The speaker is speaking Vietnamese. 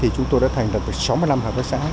chúng tôi đã thành được sáu mươi năm hợp tác xã